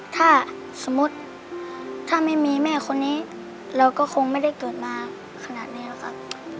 ถ้าสมมุติถ้าไม่มีแม่คนนี้เราก็คงไม่ได้เกิดมาขนาดนี้แล้วครับ